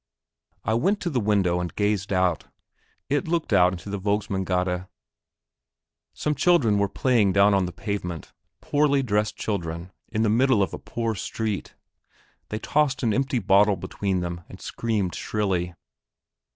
I went to the window and gazed out; it looked out into Vognmandsgade. Some children were playing down on the pavement; poorly dressed children in the middle of a poor street. They tossed an empty bottle between them and screamed shrilly.